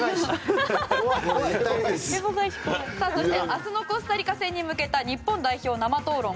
明日のコスタリカ戦に向けた日本代表生討論。